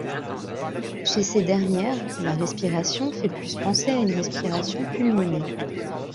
Chez ces dernières, la respiration fait plus penser à une respiration pulmonée.